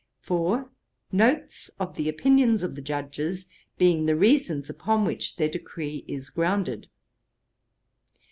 4. Notes of the opinions of the Judges, being the reasons upon which their decree is grounded.